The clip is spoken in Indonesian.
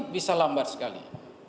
bisa lambat sekali